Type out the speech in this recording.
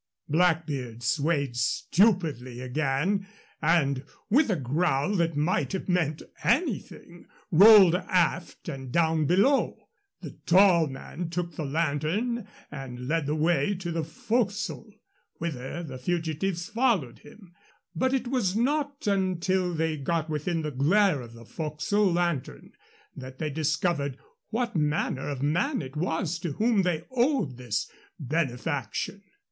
Blackbeard swayed stupidly again, and, with a growl that might have meant anything, rolled aft and down below. The tall man took the lantern and led the way into the forecastle, whither the fugitives followed him. But it was not until they got within the glare of the forecastle lantern that they discovered what manner of man it was to whom they owed this benefaction.